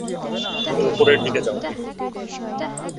তুমি উপরের দিকে যাও।